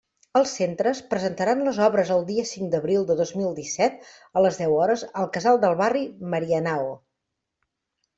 Els centres presentaran les obres el dia cinc d'abril de dos mil disset a les deu hores al Casal de Barri Marianao.